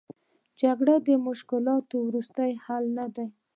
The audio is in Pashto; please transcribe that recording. جګړه د مشکلاتو وروستۍ حل نه دی.